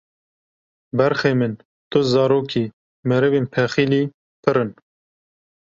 Berxê min tu zarokî, merivên pexîlî pirin